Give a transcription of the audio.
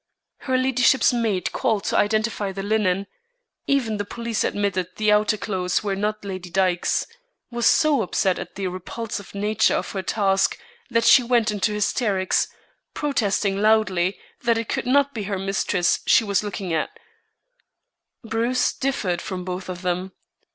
Her ladyship's maid called to identify the linen even the police admitted the outer clothes were not Lady Dyke's was so upset at the repulsive nature of her task that she went into hysterics, protesting loudly that it could not be her mistress she was looking at. Bruce differed from both of them.